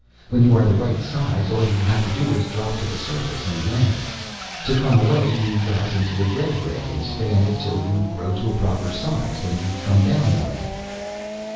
When you are the right size, all you have to do is drop to the surface, and land. To come away, you rise into the red ray and stay in it till you grow to proper size, when you come down and land."